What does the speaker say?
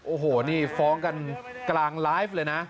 โอ้โหนี่ฟ้องกันกลางไลฟ์เลยนะ